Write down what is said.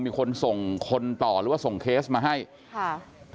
มีคนส่งคนต่อหรือว่าส่งเคสมาให้ค่ะ